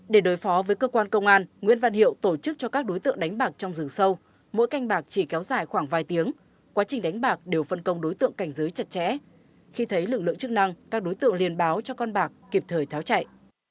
để đối phó với cơ quan công an nguyễn văn hiệu tổ chức cho các đối tượng đánh bạc trong rừng sâu mỗi canh bạc chỉ kéo dài khoảng vài tiếng quá trình đánh bạc đều phân công đối tượng cảnh giới chặt chẽ khi thấy lực lượng chức năng các đối tượng liên báo cho con bạc kịp thời tháo chạy